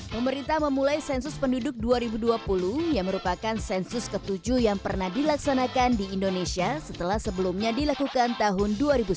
pemerintah memulai sensus penduduk dua ribu dua puluh yang merupakan sensus ketujuh yang pernah dilaksanakan di indonesia setelah sebelumnya dilakukan tahun dua ribu sembilan belas